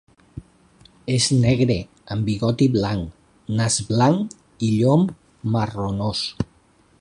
És negre amb bigoti blanc, nas blanc i llom marronós.